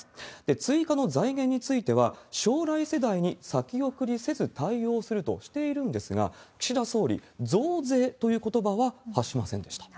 追加の財源については、将来世代に先送りせず対応するとしているんですが、岸田総理、増税ということばは発しませんでした。